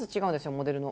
モデルの。